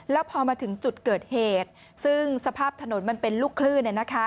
แล้วพอมาถึงจุดเกิดเหตุซึ่งสภาพถนนมันเป็นลูกคลื่น